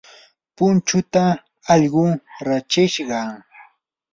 punchuuta allqu rachishqa.